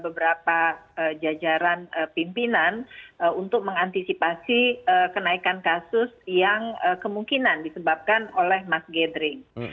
beberapa jajaran pimpinan untuk mengantisipasi kenaikan kasus yang kemungkinan disebabkan oleh mass gathering